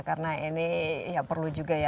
karena ini yang perlu juga ya